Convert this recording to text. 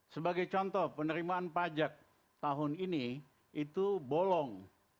sebagai contoh penerimaan pajak tahun ini itu bolong